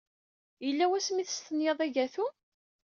Yella wasmi ay testenyaḍ agatu?